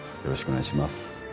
よろしくお願いします